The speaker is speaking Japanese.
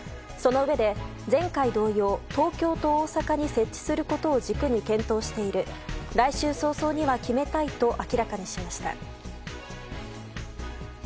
そのうえで前回同様東京と大阪に設置することを軸に検討している来週早々には決めたいと明らかにしました。